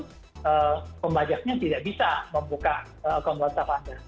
dan pembajaknya tidak bisa membuka akun whatsapp anda